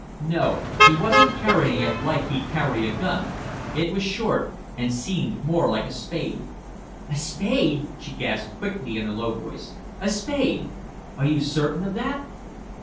"No, he wasn't carrying it like he'd carry a gun. It was short and seemed more like a spade." "A spade!" she gasped quickly in a low voice. "A spade! Are you certain of that?"